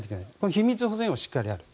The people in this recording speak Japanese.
秘密保全をしっかりやる。